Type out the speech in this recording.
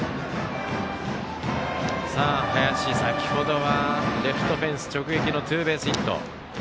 林、先ほどはレフトフェンス直撃のツーベースヒット。